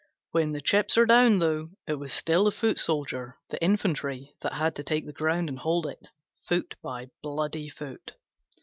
When the chips are down, though, it was still the foot soldier, the infantry, that had to take the ground and hold it, foot by bloody foot.